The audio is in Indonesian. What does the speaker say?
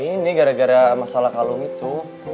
ini gara gara masalah kalung itu